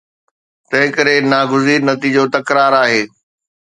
تنهنڪري ناگزير نتيجو تڪرار آهي.